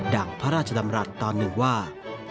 ่งพระราชดำรัฐตอนหนึ่งว่า